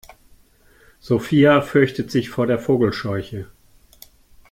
Sophia fürchtet sich vor der Vogelscheuche.